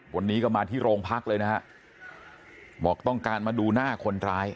วันนี้ก็มาที่โรงพักเลยนะฮะบอกต้องการมาดูหน้าคนร้าย